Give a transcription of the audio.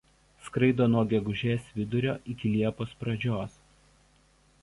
Skraido nuo gegužės vidurio iki liepos pradžios.